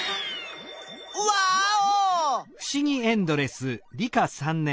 ワーオ！